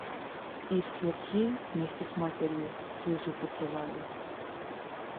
И вслед ей, вместе с матерью, слезу посылаю.